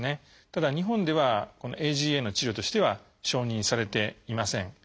ただ日本ではこのＡＧＡの治療としては承認されていません。